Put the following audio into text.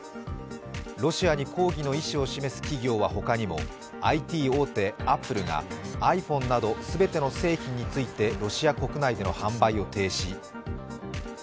ロシアに抗議の意思を示す企業は他にもＩＴ大手アップルがｉＰｈｏｎｅなど全ての製品について、ロシア国内での販売を停止。